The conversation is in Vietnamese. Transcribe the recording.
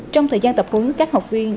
trong thời gian tập hướng các học viên